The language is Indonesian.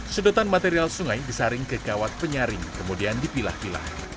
sedotan material sungai disaring ke kawat penyaring kemudian dipilah pilah